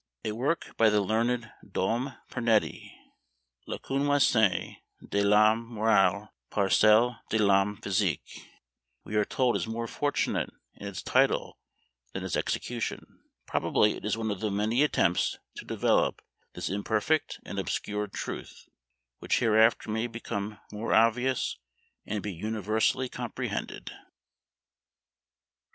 A work by the learned Dom Pernetty, La connoissance de l'homme moral par celle de l'homme physique, we are told is more fortunate in its title than its execution; probably it is one of the many attempts to develope this imperfect and obscured truth, which hereafter may become more obvious, and be universally comprehended.